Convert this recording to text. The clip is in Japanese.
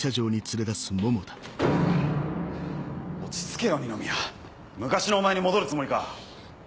落ち着けよ二宮昔のお前に戻るつもりか？